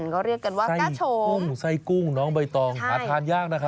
ก็เรียกกันว่ากุ้งไส้กุ้งน้องใบตองหาทานยากนะครับ